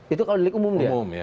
itu kalau delik umum dong